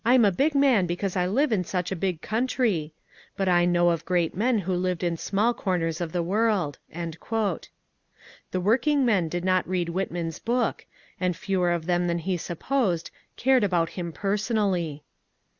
^ I 'm a big man because I live in such a big country !' But I ^ know of great men who lived in small comers of the world." ; The workingmen did not read Whitman's book, and fewer of them than he supposed cared about him personally.